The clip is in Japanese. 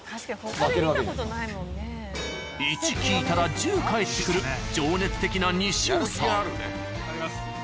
１聞いたら１０返ってくる情熱的な西尾さん。